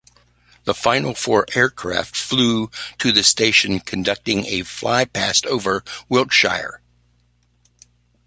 The final four aircraft flew to the station, conducting a flypast over Wiltshire.